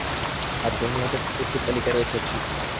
আটজন নিহত ব্যক্তির তালিকায় রয়েছে এক শিশু।